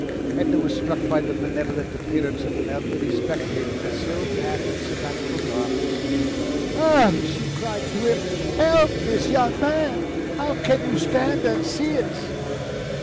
Edna was struck by the benevolent appearance of an elderly spectator in a silk hat and Sabbatical garments. "Oh!" she cried to him. "Help this young man! How can you stand and see it?"